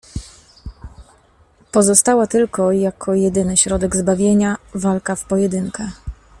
"Pozostała tylko, jako jedyny środek zbawienia, walka w pojedynkę."